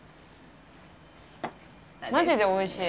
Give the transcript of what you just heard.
まじでおいしい。